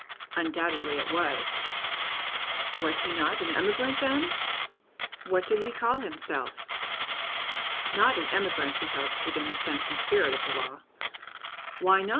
Undoubtedly it was. Was he not an emigrant then? What did he call himself? Not an emigrant, he hoped, within the sense and spirit of the law. Why not?